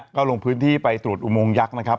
ก็ลงพื้นที่ไปตรวจอุโมงยักษ์นะครับ